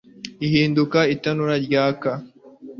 Ihinduka itanura ryaka